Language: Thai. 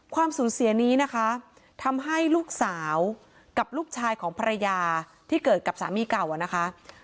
ความสูญเสียนี้นะคะทำให้ลูกสาวกับลูกชายของภรรยาที่เกิดกับสามีเก่าอะนะคะ